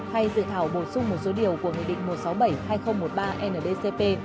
hay dự thảo bổ sung một số điều của nghị định một trăm sáu mươi bảy hai nghìn một mươi ba ndcp